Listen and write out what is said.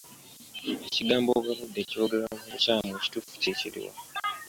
Ekigambo ogabudde kyogerwa mu bukyamu Ekituufu kye kiruwa?